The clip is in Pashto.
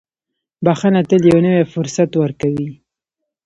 • بښنه تل یو نوی فرصت ورکوي.